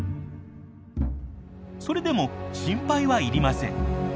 それでも心配はいりません。